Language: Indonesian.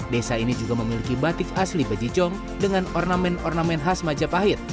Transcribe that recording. desa ini juga memiliki batik asli bejijong dengan ornamen ornamen khas majapahit